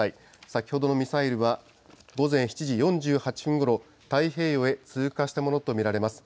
先ほどのミサイルは午前７時４８分ごろ、太平洋へ通過したものと見られます。